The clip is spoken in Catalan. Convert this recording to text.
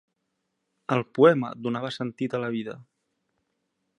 El poema donava sentit a la vida.